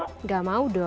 tidak mau dong